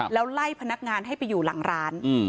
แล้วไล่พนักงานให้ไปอยู่หลังร้าน